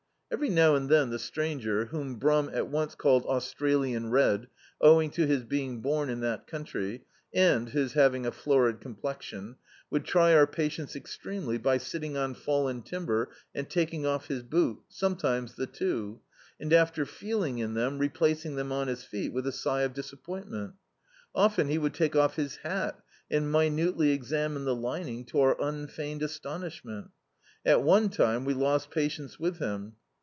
Every now and then the stranger — whom Brum at ODCt called Australian Red, owing to his heing bom in that country, and his having a florid complexion — ^would try our patience extremely by sitting on fallen timber and taking off his boot, sometimes the two; and after feeling in them, replacing them on his feet, with a sigh of disappointment. Often he would take off his hat and minutely examine the lining, to our unfeigned astonishmcnL At one time we lost patience with him.